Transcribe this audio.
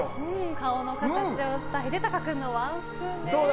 顔の形をした秀鷹君のワンスプーンです。